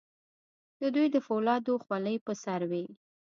د دوی د فولادو خولۍ په سر وې.